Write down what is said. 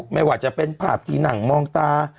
ไม่ว่าจะเป็นภาพที่นั่งมองตา